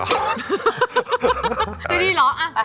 จะดีเหรอ